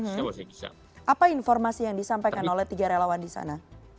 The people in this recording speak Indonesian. apa informasi yang disampaikan oleh tiga relawan di sana